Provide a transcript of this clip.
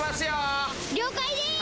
了解です！